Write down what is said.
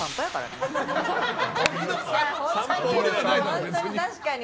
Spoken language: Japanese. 本当に、確かに。